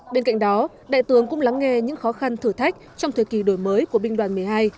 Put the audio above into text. bên cạnh đó đại tướng cũng lắng nghe những khó khăn thử thách trong thời kỳ đổi mới của binh đoàn một mươi hai